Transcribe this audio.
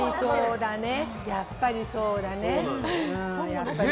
やっぱりそうだね。